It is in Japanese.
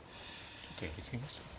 ちょっとやり過ぎましたかね。